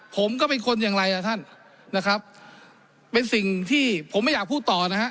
ผมก็เป็นคนอย่างไรล่ะท่านนะครับเป็นสิ่งที่ผมไม่อยากพูดต่อนะฮะ